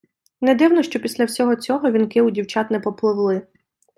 Не дивно, що після всього цього вінки у дівчат не попливли.